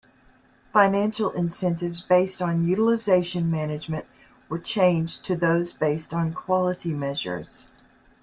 Financial incentives based on utilization management were changed to those based on quality measures.